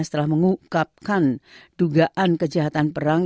setelah mengungkapkan dugaan kejahatan perang